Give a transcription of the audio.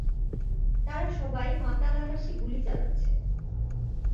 তারা সবাই মাতাল আকাশে গুলি চালাচ্ছে।